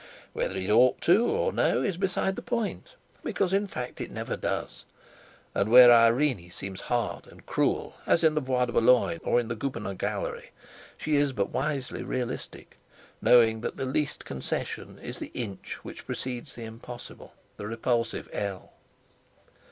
Whether it ought to, or no, is beside the point; because in fact it never does. And where Irene seems hard and cruel, as in the Bois de Boulogne, or the Goupenor Gallery, she is but wisely realistic—knowing that the least concession is the inch which precedes the impossible, the repulsive ell.